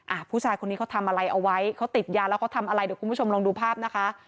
ผู้ชายคนนี้เขาทำอะไรเอาไว้เขาติดยาแล้วเขาทำอะไรเดี๋ยวคุณผู้ชมลองดูภาพนะคะ